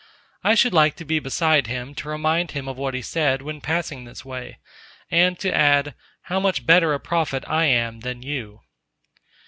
I should like to be beside him to remind him of what he said when passing this way, and to add, How much better a prophet I am than you!